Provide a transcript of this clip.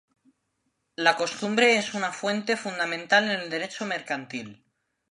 La costumbre es una fuente fundamental en el derecho mercantil.